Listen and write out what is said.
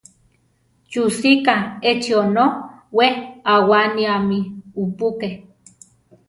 ¿Chú sika échi onó we aʼwániámi upúke?